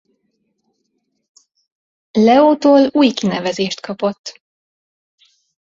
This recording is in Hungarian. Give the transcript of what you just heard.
Leótól új kinevezést kapott.